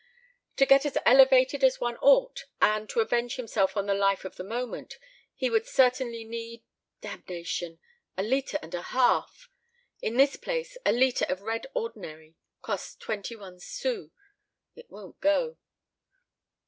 To get as elevated as one ought, and to avenge himself on the life of the moment, he would certainly need damn'ation a liter and a half, In this place, a liter of red ordinary costs twenty one sous. It won't go.